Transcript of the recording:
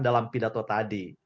dalam pidato tadi